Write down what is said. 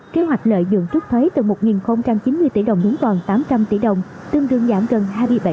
kế hoạch lợi dụng trúc thuế từ một chín mươi tỷ đồng xuống còn tám trăm linh tỷ đồng tương đương giảm gần hai mươi bảy